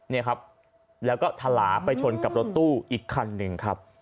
นี่ครับแล้วก็ทลาไปชนกับรถตู้อีกคันหนึ่งครับ